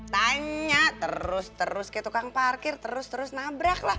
tanya terus terus kayak tukang parkir terus terus nabrak lah